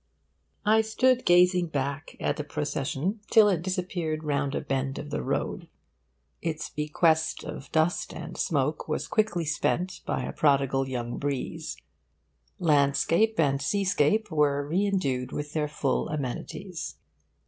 I stood gazing back at the procession till it disappeared round a bend of the road. Its bequest of dust and smoke was quickly spent by a prodigal young breeze. Landscape and seascape were reindued with their full amenities.